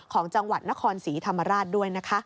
ของจังหวัดนครศรีธรรมราชด้วยนะคะ